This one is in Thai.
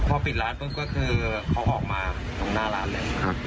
พอปิดร้านปุ๊บก็คือเขาออกมาตรงหน้าร้านเลยครับ